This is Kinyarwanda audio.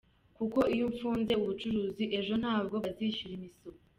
Kuko iyo mfunze ubucuruzi, ejo ntabwo bazishyura imisoro.